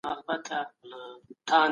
پانګه هغه وسيله ده چې د توليد کچه لوړوي.